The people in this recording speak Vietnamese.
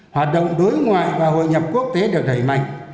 hoạt động đối ngoại và hội nhập quốc tế được đẩy mạnh